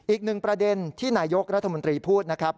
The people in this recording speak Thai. อีกหนึ่งประเด็นที่นายกรัฐมนตรีพูดนะครับ